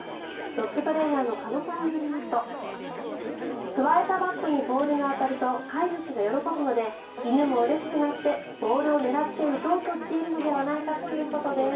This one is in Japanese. ドッグトレーナーの鹿野さんによりますとくわえたバットにボールが当たると飼い主が喜ぶので犬もうれしくなってボールを狙って打とうとしているのではないかということです。